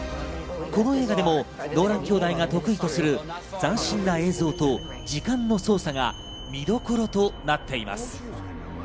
この映画でもノーラン兄弟が得意とする斬新な映像と時間の操作が見どころとなっています。